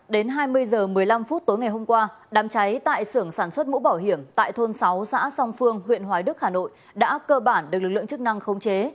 đến hai mươi h một mươi năm phút tối ngày hôm qua đám cháy tại sưởng sản xuất mũ bảo hiểm tại thôn sáu xã song phương huyện hoài đức hà nội đã cơ bản được lực lượng chức năng khống chế